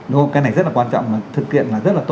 đúng không cái này rất là quan trọng